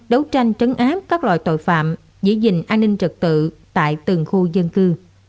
đấu tranh trấn áp các loại tội phạm giữ gìn an ninh trật tự tại từng khu dân cư